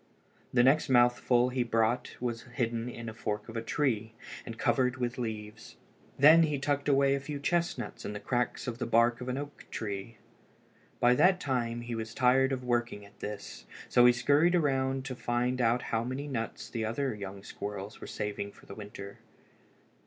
The next mouthful he brought was hidden in a fork of a tree and covered with leaves. Then he tucked away a few chestnuts in the cracks of the bark on an oak tree. By that time he was tired of working at this, so he scurried around to find out how many nuts the other young squirrels were saving for the winter.